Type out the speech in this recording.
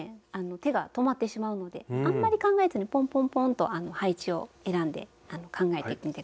手が止まってしまうのであんまり考えずにポンポンポンと配置を選んで考えてみて下さいね。